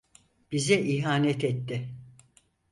Bize ihanet etti.